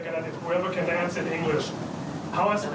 คนเดียวไม่พูดชีวิต